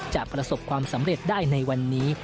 จะประสบความสำเร็จได้ในวันนี้